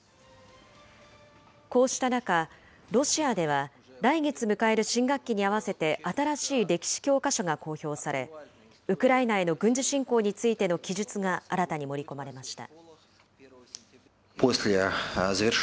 こうした中、ロシアでは来月迎える新学期に合わせて、新しい歴史教科書が公表され、ウクライナへの軍事侵攻についての記述が新たに盛り込まれました。